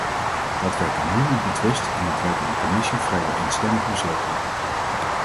Dat werd door niemand betwist en het werd in de commissie vrijwel eenstemmig besloten.